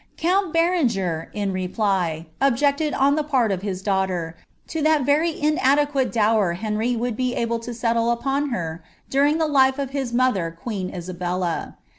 Cunnt Berenger, in reply, objected on the put of his daughter, to IM very inadeqnaie dower Henry wotdd be able to settle upon her duiiif the life of his niollier queen Isabella.